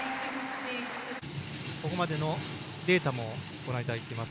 ここまでのデータもご覧いただきます。